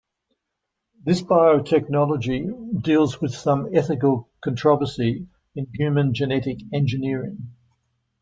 This biotechnology deals with some ethical controversy in human genetic engineering.